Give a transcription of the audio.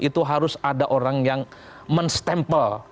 itu harus ada orang yang men stample